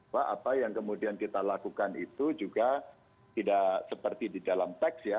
bahwa apa yang kemudian kita lakukan itu juga tidak seperti di dalam teks ya